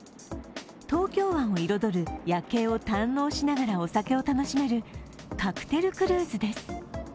東京湾を彩る夜景を堪能しながらお酒を楽しめるカクテルクルーズです。